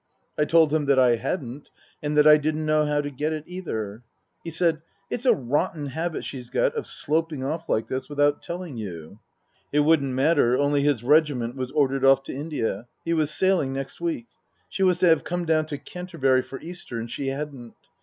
I told him that I hadn't, and that I didn't know how to get it, either. He said, " It's a rotten habit she's got of sloping off like this without telling you." It wouldn't matter, only his regiment was ordered off to India. He was sailing next week. She was to have come down to Canterbury for Easter and she hadn't.